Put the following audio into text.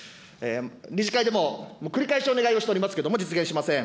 理事会でも、繰り返しお願いをしておりますけれども、実現しません。